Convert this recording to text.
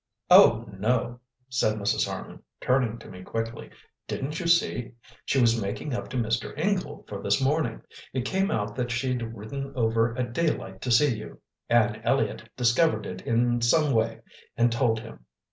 "Oh, no!" said Mrs. Harman, turning to me quickly. "Didn't you see? She was making up to Mr. Ingle for this morning. It came out that she'd ridden over at daylight to see you; Anne Elliott discovered it in some way and told him."